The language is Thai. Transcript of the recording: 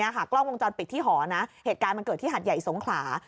กล้องวงจรปิดที่หอนะเหตุการณ์มันเกิดที่หัดใหญ่สงขลา